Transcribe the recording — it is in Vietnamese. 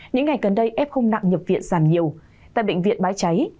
những ngày gần đây f nặng nhập viện giảm nhiều tại bệnh viện bái cháy